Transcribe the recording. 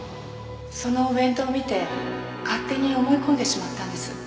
そのお弁当を見て勝手に思い込んでしまったんです。